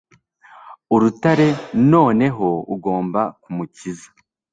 urutare, noneho ugomba kumukiza